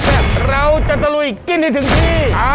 ดีเจนุ้ยสุดจีลา